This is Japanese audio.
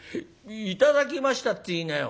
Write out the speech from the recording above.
『頂きました』って言いなよ」。